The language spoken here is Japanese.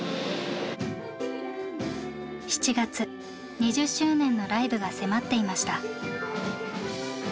２０周年のライブが迫っていました。